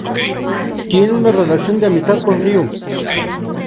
Tiene una relación de amistad con Ryu.